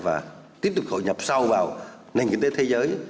và tiếp tục hội nhập sâu vào nền kinh tế thế giới